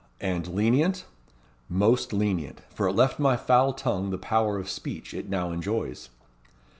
"And lenient?" "Most lenient. For it left my foul tongue the power of speech it now enjoys."